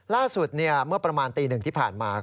ล่าสุดเนี่ยเมื่อประมาณตีหนึ่งที่ผ่านมา